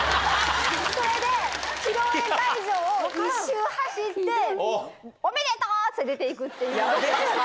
それで、披露宴会場を一周走って、おめでとう！って出ていくみたいな。